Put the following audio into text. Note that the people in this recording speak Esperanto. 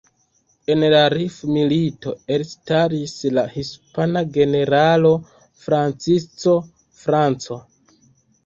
En la rif-milito elstaris la hispana generalo Francisco Franco.